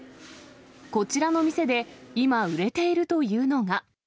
こちらの店で今、売れているというのが。